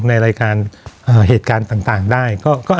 ในรายการเหตุการณ์ต่างได้